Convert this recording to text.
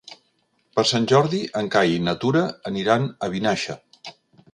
Per Sant Jordi en Cai i na Tura aniran a Vinaixa.